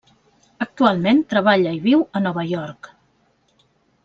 Actualment treballa i viu a Nova York.